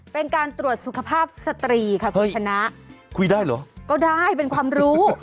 เป็นการตรวจสุขภาพสตรีค่ะคุณชนะคุยได้เหรอก็ได้เป็นความรู้